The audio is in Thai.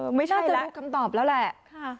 ไม่น่าจะรู้คำตอบแล้วแหละ